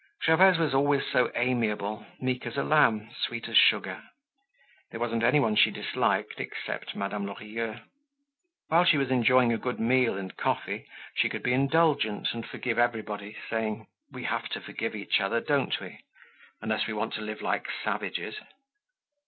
Gervaise was always so amiable, meek as a lamb, sweet as sugar. There wasn't any one she disliked except Madame Lorilleux. While she was enjoying a good meal and coffee, she could be indulgent and forgive everybody saying: "We have to forgive each other—don't we?—unless we want to live like savages."